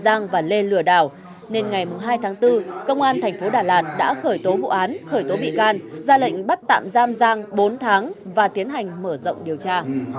giang và lê lừa đảo nên ngày hai tháng bốn công an thành phố đà lạt đã khởi tố vụ án khởi tố bị can ra lệnh bắt tạm giam giang bốn tháng và tiến hành mở rộng điều tra